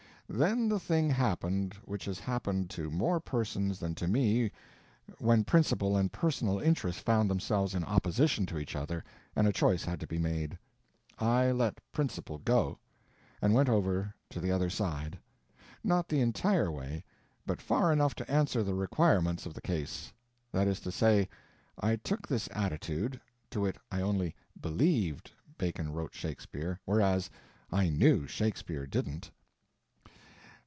Then the thing happened which has happened to more persons than to me when principle and personal interest found themselves in opposition to each other and a choice had to be made: I let principle go, and went over to the other side. Not the entire way, but far enough to answer the requirements of the case. That is to say, I took this attitude—to wit, I only believed Bacon wrote Shakespeare, whereas I knew Shakespeare didn't.